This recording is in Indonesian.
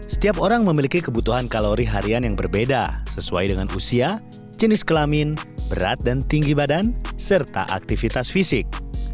setiap orang memiliki kebutuhan kalori harian yang berbeda sesuai dengan usia jenis kelamin berat dan tinggi badan serta aktivitas fisik